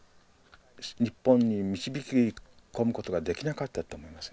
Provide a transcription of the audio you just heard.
日本に導き込むことができなかったと思いますね。